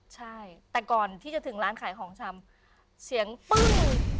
ใช่แต่ก่อนที่จะถึงร้านขายของชำเสียงปึ้ง